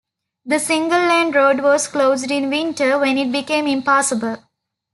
The single-lane road was closed in winter when it became impassable.